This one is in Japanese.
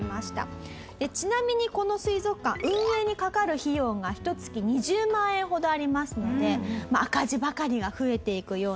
ちなみにこの水族館運営にかかる費用がひと月２０万円ほどありますので赤字ばかりが増えていくような。